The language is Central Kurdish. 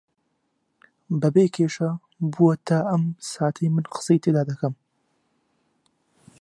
بەبێ کێشە بووە تا ئەم ساتەی من قسەی تێدا دەکەم